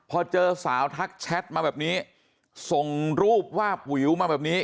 พอเจอสาวทักแชทมาแบบนี้ส่งรูปวาบวิวมาแบบนี้